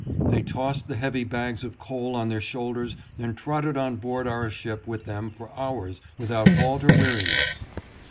They tossed the heavy bags of coal on their shoulders and trotted on board our ship with them for hours without halt or weariness.